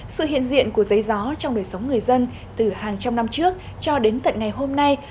sự hiện diện của giấy gió trong đời sống người dân từ hàng trăm năm trước cho đến tận ngày hôm nay